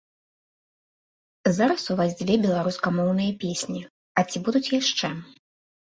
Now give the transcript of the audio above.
Зараз у вас дзве беларускамоўныя песні, а ці будуць яшчэ?